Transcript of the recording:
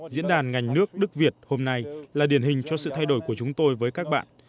diễn đàn ngành nước đức việt hôm nay là điển hình cho sự thay đổi của chúng tôi với các bạn